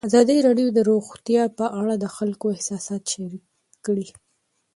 ازادي راډیو د روغتیا په اړه د خلکو احساسات شریک کړي.